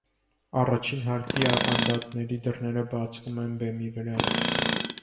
Առաջին հարկի ավանդատների դռները բացվում են բեմի վրա։